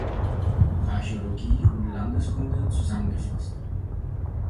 Archäologie und Landeskunde“" zusammengefasst.